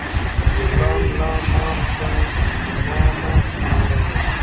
ملا ملا مار دی، ما مه شمېره.